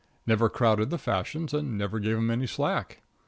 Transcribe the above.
Never crowded the fashions and never gave 'em any slack.